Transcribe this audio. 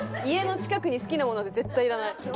家の近くに好きなものなんて絶対いらない。